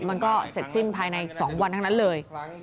มันก็เสร็จสิ้นภายใน๒วันทั้งนั้นเลย